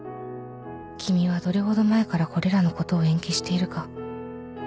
「君はどれほど前からこれらのことを延期しているか」